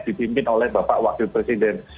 dipimpin oleh bapak wakil presiden